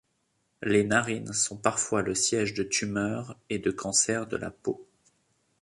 Les narines sont parfois le siège de tumeurs et de cancers de la peau.